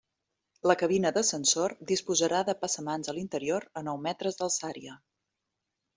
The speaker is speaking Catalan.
La cabina d'ascensor disposarà de passamans a l'interior a nou metres d'alçària.